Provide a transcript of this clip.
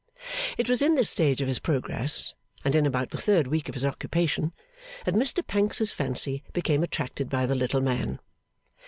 It was in this stage of his progress, and in about the third week of his occupation, that Mr Pancks's fancy became attracted by the little man.